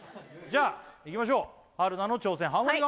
じゃあいきましょう春菜の挑戦ハモリ